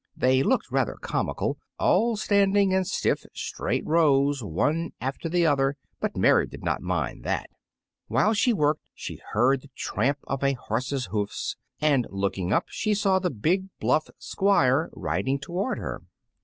They looked rather comical, all standing in stiff, straight rows, one after the other; but Mary did not mind that. While she was working she heard the tramp of a horse's hoofs, and looking up saw the big bluff Squire riding toward her.